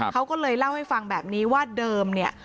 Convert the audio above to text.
เขาก็เลยเล่าให้ฟังแบบนี้ว่าเดิมเนี่ย